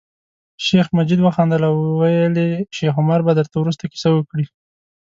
شیخ مجید وخندل او ویل یې شیخ عمر به درته وروسته کیسه وکړي.